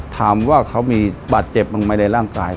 ทำว่าเขามีบาดเจ็บลงไปในร่างกาย